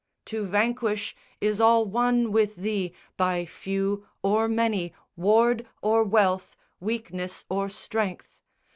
To vanquish is all one with Thee, by few Or many, ward or wealth, weakness or strength.